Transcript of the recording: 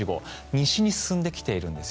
西に進んできています。